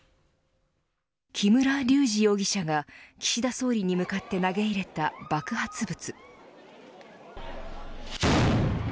木村隆二容疑者が岸田総理に向かって投げ入れた爆発物。